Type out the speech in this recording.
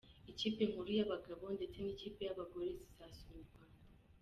Ikipe nkuru y’abagabo ndetse n’ikipe y’abagore zizasura u Rwanda.